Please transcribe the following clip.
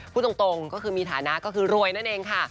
พูดตรงก็คือมีฐานะก็คือรวยนั่นเองค่ะ